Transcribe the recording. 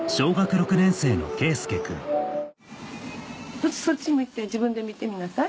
ちょっとそっち向いて自分で見てみなさい。